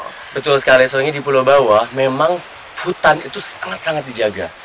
betul sekali soalnya di pulau bawah memang hutan itu sangat sangat dijaga